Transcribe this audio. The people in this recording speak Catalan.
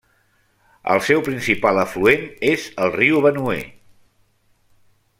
El seu principal afluent és el riu Benue.